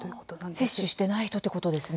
接種していない人ということですね。